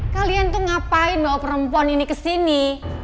kalian tuh ngapain bawa perempuan ini kesini